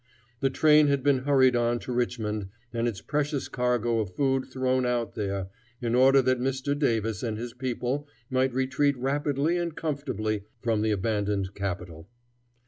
The train had been hurried on to Richmond and its precious cargo of food thrown out there, in order that Mr. Davis and his people might retreat rapidly and comfortably from the abandoned capital.